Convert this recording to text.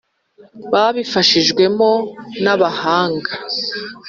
babifashijwemo n’abahanga